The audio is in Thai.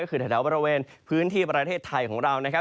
ก็คือแถวบริเวณพื้นที่ประเทศไทยของเรานะครับ